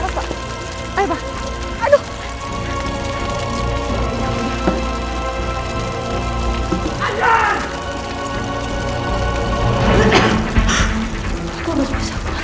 tidak bisa pak